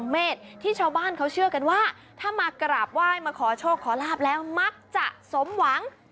มาขอโชคขอลาบแล้วมักจะสมหวัง